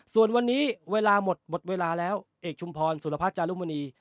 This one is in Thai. ส่วนวันนี้เวลาหมดหมดเวลาแล้วเอกชุมพรสุรพัฒน์จารุมณี